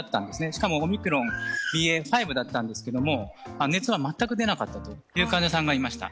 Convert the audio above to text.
しかもオミクロンＢＡ．５だったんですけれども、熱は全く出なかったという患者さんがいました。